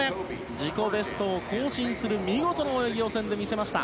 自己ベストを更新する見事な泳ぎを予選で見せました。